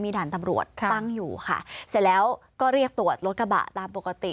ด่านตำรวจตั้งอยู่ค่ะเสร็จแล้วก็เรียกตรวจรถกระบะตามปกติ